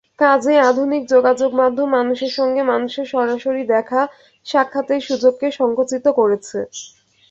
কাজেই আধুনিক যোগাযোগমাধ্যম মানুষের সঙ্গে মানুষের সরাসরি দেখা-সাক্ষাতের সুযোগকে সংকুচিত করছে।